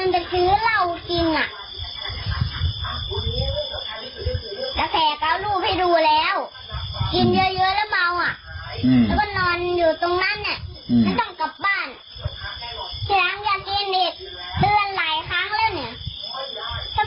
พ่อจะได้อะไรขึ้นมาไหม